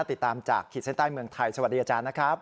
ติดตามจากขีดเส้นใต้เมืองไทยสวัสดีอาจารย์นะครับ